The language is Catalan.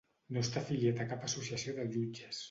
No està afiliat a cap associació de jutges.